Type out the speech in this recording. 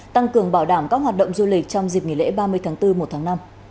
tăng cường bảo đảm các hoạt động du lịch trong dịp nghỉ lễ ba mươi tháng bốn một tháng năm